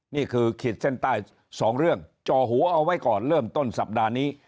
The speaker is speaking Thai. ขีดเส้นใต้๒เรื่องจ่อหัวเอาไว้ก่อนเริ่มต้นสัปดาห์นี้